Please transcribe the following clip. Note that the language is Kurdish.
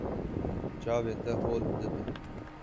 Çavên te hol dibin.